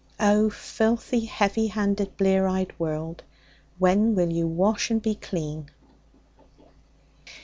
Oh, filthy, heavy handed, blear eyed world, when will you wash and be clean?